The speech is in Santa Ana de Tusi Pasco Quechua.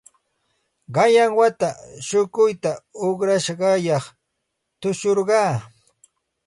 Qanyan wata shukuyta uqrashqayaq tushurqaa.